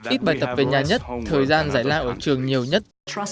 ít bài tập về nhà nhất thời gian giải lao ở trường nhiều nhất